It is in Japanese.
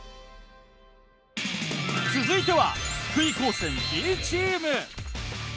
続いては福井高専Ｂチーム。